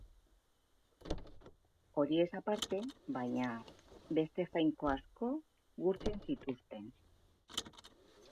Horiez aparte, baina, beste jainko asko gurtzen zituzten.